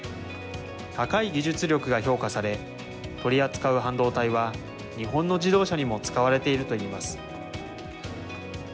高い技術力が評価され、取り扱う半導体は、日本の自動車にも使われているといいます。